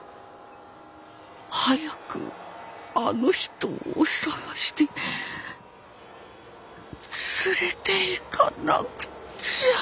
早くあの人を探して連れていかなくちゃ。